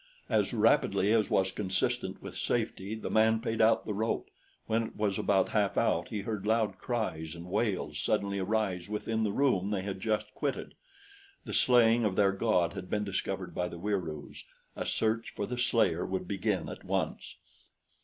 As rapidly as was consistent with safety, the man paid out the rope. When it was about half out, he heard loud cries and wails suddenly arise within the room they had just quitted. The slaying of their god had been discovered by the Wieroos. A search for the slayer would begin at once.